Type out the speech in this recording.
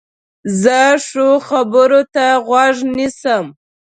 زه ښو خبرو ته غوږ نیسم.